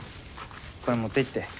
これ持っていって。